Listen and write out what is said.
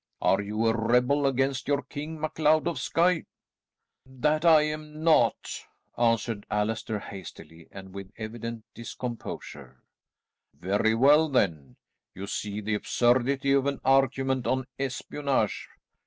Are you a rebel against your king, MacLeod of Skye?" "That I am not," answered Allaster hastily, and with evident discomposure. "Very well then. You see the absurdity of an argument on espionage.